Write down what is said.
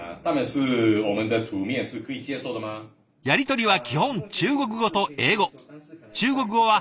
やり取りは基本中国語と英語。